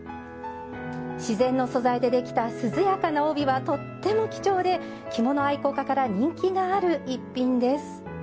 自然の素材でできた涼やかな帯はとても貴重で着物愛好家から人気がある逸品です。